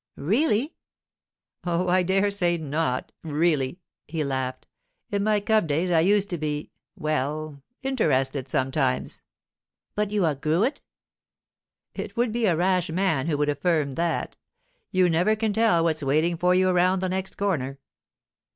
'Really?' 'Oh, I dare say not—really,' he laughed. 'In my cub days I used to be—well, interested sometimes.' 'But you outgrew it?' 'It would be a rash man who would affirm that! You never can tell what's waiting for you around the next corner.